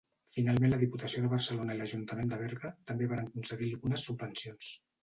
Finalment la Diputació de Barcelona i l'Ajuntament de Berga, també varen concedir algunes subvencions.